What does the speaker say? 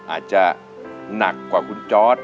อาจจะหนักกว่าคุณจอร์ด